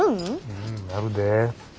うんなるで。